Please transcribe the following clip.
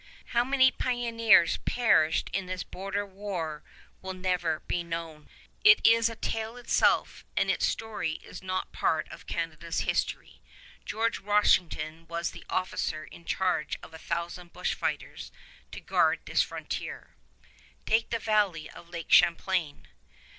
How many pioneers perished in this border war will never be known. It is a tale by itself, and its story is not part of Canada's history. George Washington was the officer in charge of a thousand bushfighters to guard this frontier. Take the valley of Lake Champlain.